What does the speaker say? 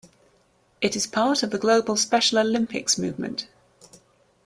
It is part of the global Special Olympics movement.